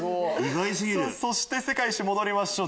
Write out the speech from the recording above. そして世界一周戻りましょう。